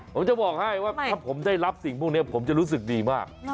ผมจะบอกให้ว่าถ้าผมได้รับสิ่งพวกนี้ผมจะรู้สึกดีมาก